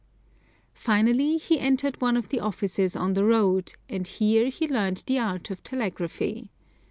Finally, he entered one of the offices on the road, and here he learned the art of telegraphy.